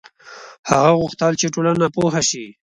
هغه غوښتل چې ټولنه پوه شي.